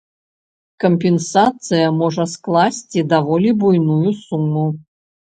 Кампенсацыя можа скласці даволі буйную суму.